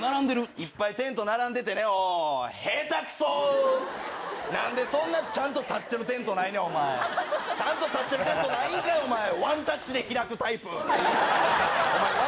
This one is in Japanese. いっぱいテント並んでてね、なんでそんなちゃんと建ってるテントないねん、お前。ちゃんと建ってるテント、ワンタッチで開くタイプは。